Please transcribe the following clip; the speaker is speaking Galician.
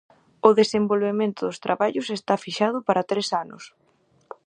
O desenvolvemento dos traballos está fixado para tres anos.